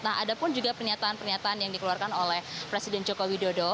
nah ada pun juga pernyataan pernyataan yang dikeluarkan oleh presiden joko widodo